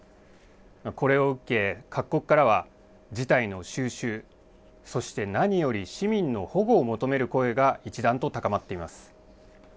これを受け各国からは、事態の収拾、そして何より市民の保護を求める声が一段と高まっています。